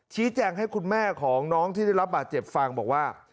ชี้แจงให้คุณแม่ของน้องที่ได้รับบาดเจ็บฟังบอกว่า